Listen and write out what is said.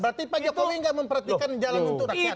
berarti pak jokowi gak mempertahankan jalan untuk rakyat